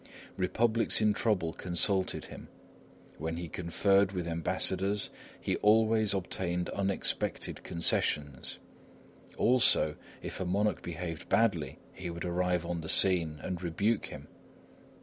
Republics in trouble consulted him; when he conferred with ambassadors, he always obtained unexpected concessions. Also, if a monarch behaved badly, he would arrive on the scene and rebuke him.